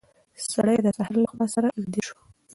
سړی د سهار له هوا سره ویده شو.